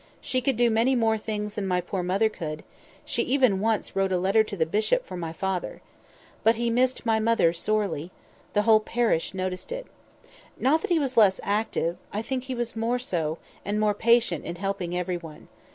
She could do many more things than my poor mother could; she even once wrote a letter to the bishop for my father. But he missed my mother sorely; the whole parish noticed it. Not that he was less active; I think he was more so, and more patient in helping every one.